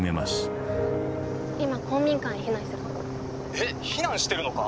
えっ避難してるのか？